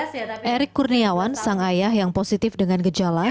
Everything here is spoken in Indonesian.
usia sebelas ya tapi erick kurniawan sang ayah yang positif dengan gejala